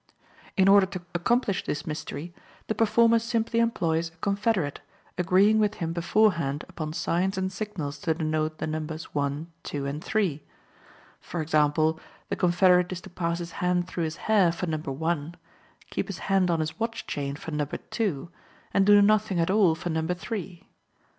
In order to accomplish this mystery, the performer simply employs a confederate, agreeing with him beforehand upon signs and signals to denote the numbers 1, 2, and 3. For example, the confederate is to pass his hand through his hair for number one; keep his hand on his watch chain for number two; and do nothing at all for number three.